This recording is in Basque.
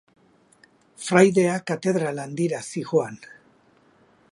Fraidea katedral handira zihoan.